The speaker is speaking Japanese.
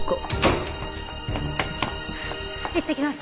いってきます。